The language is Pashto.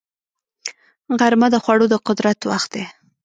غرمه د خوړو د قدر وخت دی